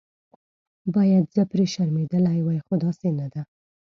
باید زه پرې شرمېدلې وای خو داسې نه ده.